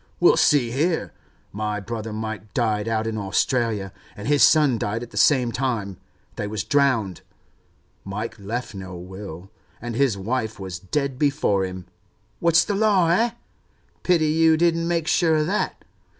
Well, see here. My brother Mike died out in Australia, and his son died at the same time—they was drowned. Mike left no will, and his wife was dead before him. What's the law, eh? Pity you didn't make sure of that.